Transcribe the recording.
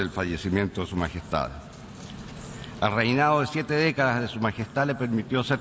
ขอบคุณครับ